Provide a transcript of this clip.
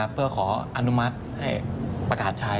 เพื่อขออนุมัติให้ประกาศใช้